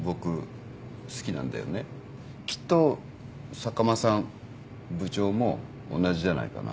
きっと坂間さん部長も同じじゃないかな。